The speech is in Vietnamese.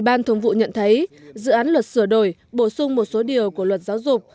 ban thường vụ nhận thấy dự án luật sửa đổi bổ sung một số điều của luật giáo dục